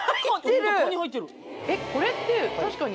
これって確かに。